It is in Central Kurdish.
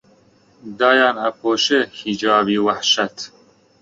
دایان ئەپۆشێ حیجابی وەحشەت